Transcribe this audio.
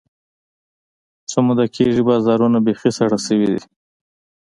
څه موده کېږي، بازارونه بیخي ساړه شوي دي.